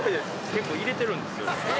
結構、入れてるんですよ。